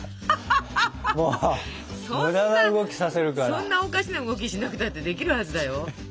そんなおかしな動きしなくたってできるはずだよ。